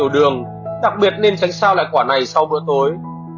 đường đặc biệt nên tránh sao lại quả này sau bữa tối